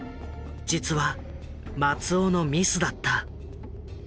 実は松尾のミスだった。